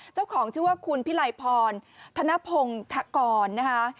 เจ้าของชื่อว่าคุณพิไลพรธนพงธกรนะคะ